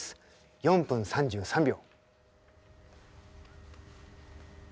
「４分３３秒」。